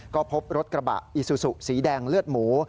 ก็พบรถกระบะอิซูซูสีแดงเลือดหมู